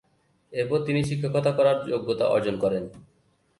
এরপর তিনি শিক্ষকতা করার যোগ্যতা অর্জন করেন।